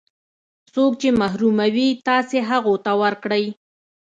څوک چې محروموي تاسې هغو ته ورکړئ.